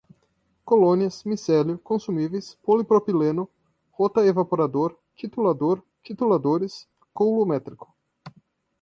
colônias, micélio, consumíveis, polipropileno, rotaevaporador, titulador, tituladores, coulométrico